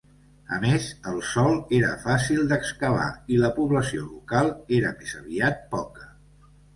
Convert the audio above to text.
A més, el sòl era fàcil d'excavar i la població local era més aviat poca.